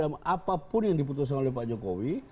apapun yang diputuskan oleh pak jokowi